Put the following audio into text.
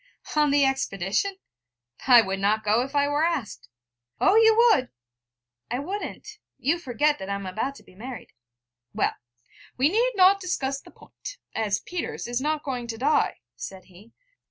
on the expedition? I would not go, if I were asked.' 'Oh, you would.' 'I wouldn't. You forget that I am about to be married.' 'Well, we need not discuss the point, as Peters is not going to die,' said he.